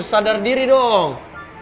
sadar diri dong